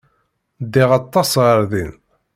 Ddiɣ aṭas ɣer din.